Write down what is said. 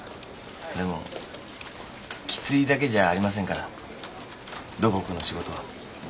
でもきついだけじゃありませんから土木の仕事は。